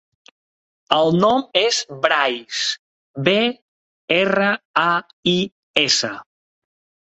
El nom és Brais: be, erra, a, i, essa.